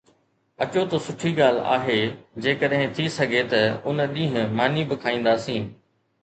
اچو ته سٺي ڳالهه آهي، جيڪڏهن ٿي سگهي ته ان ڏينهن ماني به کائينداسين